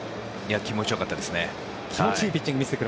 気持ち良かったですね。